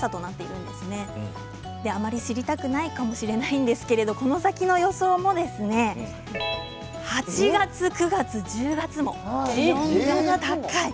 あまり知りたくないかもしれませんが、この先の予想も８月、９月、１０月も気温が高い。